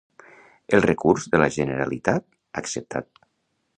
El recurs de la Generalitat, acceptat.